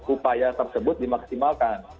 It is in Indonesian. upaya tersebut dimaksimalkan